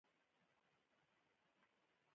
هارون جان حکیمي تعلیم یافته او په کار پوه ځوان دی.